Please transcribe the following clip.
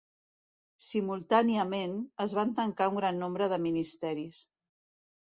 Simultàniament, es va tancar un gran nombre de ministeris.